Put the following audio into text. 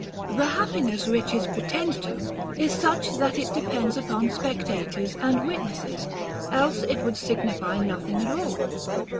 The happiness riches pretend to is such that it de pends upon spectators and witnesses ; else it would signify nothing at all.